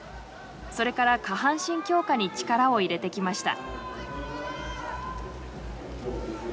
それから下半身強化に力を入れてきました。